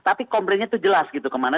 tapi komplainnya itu jelas gitu kemana